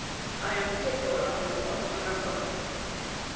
I am particular on this point, remember."